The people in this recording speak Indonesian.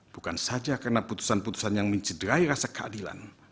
bukan saja karena putusan putusan yang mencederai rasa keadilan